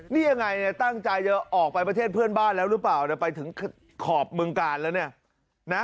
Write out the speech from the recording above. นี่ยังไงเนี่ยตั้งใจจะออกไปประเทศเพื่อนบ้านแล้วหรือเปล่าไปถึงขอบเมืองกาลแล้วเนี่ยนะ